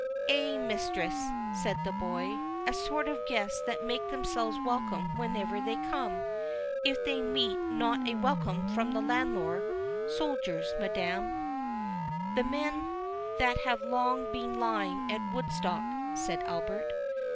"Ay, mistress," said the boy, "a sort of guests that make themselves welcome wherever they come, if they meet not a welcome from their landlord—soldiers, madam." "The men that have long been lying at Woodstock," said Albert.